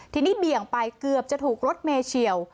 ทีนี้เบี่ยงไปเกือบจะถูกรถเมย์เฉียว